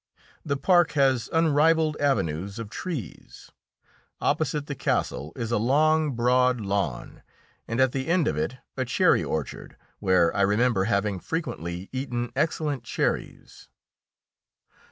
The park has unrivalled avenues of trees. Opposite the castle is a long, broad lawn, and at the end of it a cherry orchard, where I remember having frequently eaten excellent cherries.